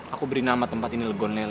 aku beri nama tempat ini legon lele